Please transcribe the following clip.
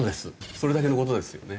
それだけの事ですよね。